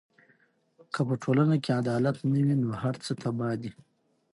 که په ټولنه کې عدالت نه وي، نو هر څه تباه دي.